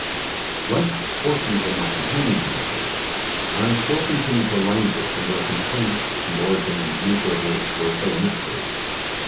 Less fortunate than my companion however, I still continued to languish under a complaint, the origin and nature of which were still a mystery.